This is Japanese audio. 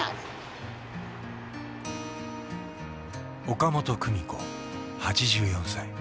岡本久美子８４歳。